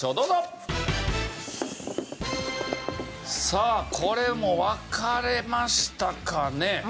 さあこれも分かれましたかね？